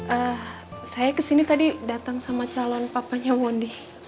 eh saya ke sini tadi datang sama calon papanya mondi